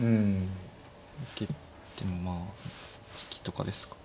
受けてもまあ突きとかですか。